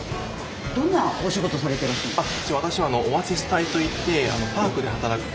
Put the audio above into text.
どんなお仕事をされてらっしゃるんですか？